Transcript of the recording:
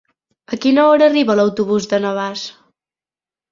A quina hora arriba l'autobús de Navàs?